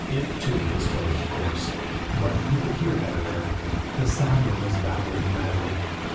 It, too, was closed, of course, but he could hear better there. The sounder was babbling madly.